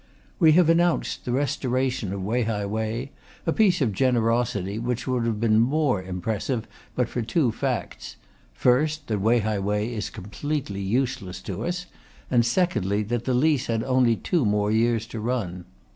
We have announced the restoration of Wei hai wei a piece of generosity which would have been more impressive but for two facts: first, that Wei hai wei is completely useless to us, and secondly, that the lease had only two more years to run.